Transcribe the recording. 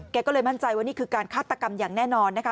ก็เลยมั่นใจว่านี่คือการฆาตกรรมอย่างแน่นอนนะคะ